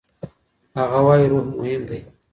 هغه وايي روح مهم دی.